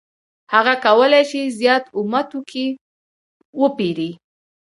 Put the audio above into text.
هغه کولای شي زیات اومه توکي وپېري